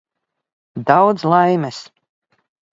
Daudz laimes!